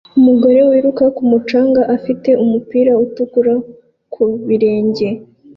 Umugore wiruka ku mucanga afite umupira utukura ku birenge